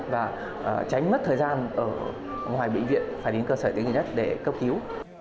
và tránh mất thời gian ở ngoài bệnh viện phải đến cơ sở y tế gần nhất để cấp cứu